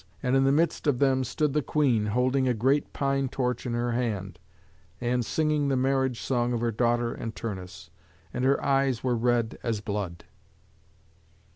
And in the midst of them stood the queen, holding a great pine torch in her hand, and singing the marriage song of her daughter and Turnus; and her eyes were red as blood.